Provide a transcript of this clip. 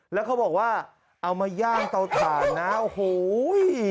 แล้วเขาบอกว่าเอามาย่างเตาถ่านนะโอ้โห